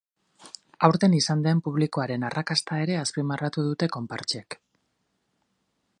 Aurten izan den publikoaren arrakasta ere azpimarratu dute konpartsek.